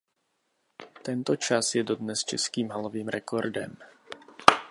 Tento čas je dodnes českým halovým rekordem.